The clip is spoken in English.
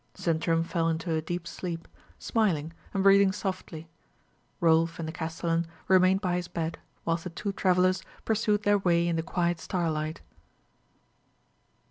Sintram fell into a deep sleep, smiling, and breathing softly. Rolf and the castellan remained by his bed, whilst the two travellers pursued their way in the quiet starlight.